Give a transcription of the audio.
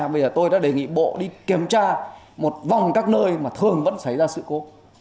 bây giờ tôi đã đề nghị bộ đi kiểm tra một vòng các nơi mà thường vẫn xảy ra sự cố